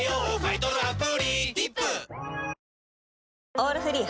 「オールフリー」